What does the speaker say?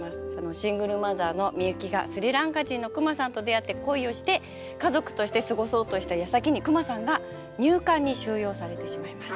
シングルマザーのミユキがスリランカ人のクマさんと出会って恋をして家族として過ごそうとしたやさきにクマさんが入管に収容されてしまいます。